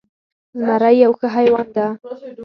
زمری یو ښه حیوان ده